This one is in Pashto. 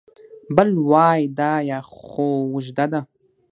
بل وای دا یا خو اوږده ده